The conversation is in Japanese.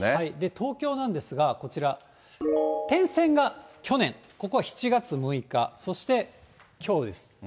東京なんですが、こちら、点線が去年、ここは７月６日、そしてきょうです。